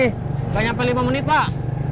tidak nyampe lima menit pak